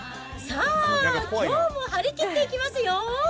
さあ、きょうも張り切っていきますよ。